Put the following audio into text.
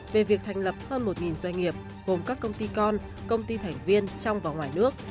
về việc thành lập hơn một doanh nghiệp gồm các công ty con công ty thành viên trong và ngoài nước